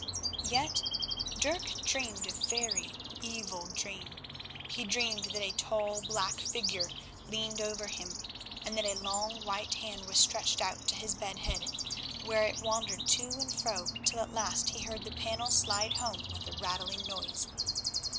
Yet Dirk dreamed a very evil dream. He dreamed that a tall black figure leaned over him, and that a long white hand was stretched out to his bed head where it wandered to and fro, till at last he heard the panel slide home with a rattling noise.